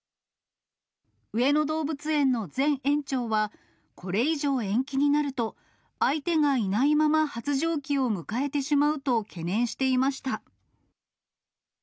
上野動物園の前園長は、これ以上延期になると、相手がいないまま発情期を迎えてしまうと懸念していました。